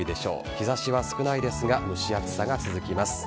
日差しは少ないですが蒸し暑さが続きます。